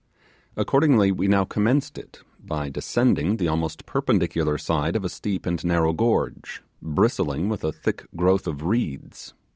Accordingly we now commenced it by descending the almost perpendicular side of a steep and narrow gorge, bristling with a thick growth of reeds.